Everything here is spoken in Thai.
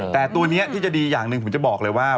แต่ตัวนี้ที่จะดีอย่างหนึ่งผมจะบอกเลยว่า